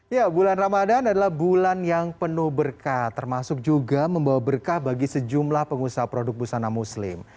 ya bulan ramadan adalah bulan yang penuh berkah termasuk juga membawa berkah bagi sejumlah pengusaha produk busana muslim